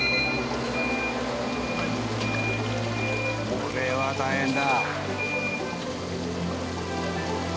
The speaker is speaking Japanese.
これは大変だ。